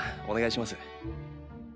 お願いします。